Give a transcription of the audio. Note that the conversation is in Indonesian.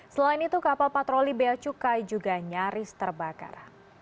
selain itu kapal patroli bea cukai juga nyaris terbakar